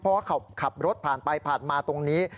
เพราะว่าขับรถผ่านไปผ่านมาตรงนี้